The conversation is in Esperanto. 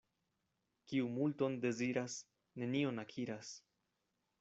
Kiu multon deziras, nenion akiras.